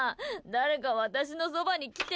誰か、私のそばに来て！